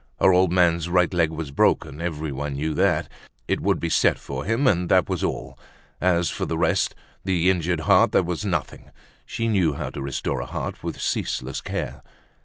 Her old man's right leg was broken, everyone knew that; it would be set for him, and that was all. As for the rest, the injured heart, that was nothing. She knew how to restore a heart with ceaseless care.